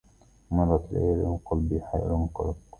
مرت ليال وقلبي حائر قلق